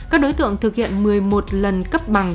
các đối tượng thực hiện một mươi một lần cấp bằng